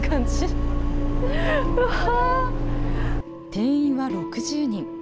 定員は６０人。